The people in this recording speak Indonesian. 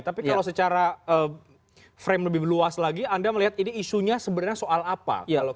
tapi kalau secara frame lebih luas lagi anda melihat ini isunya sebenarnya soal apa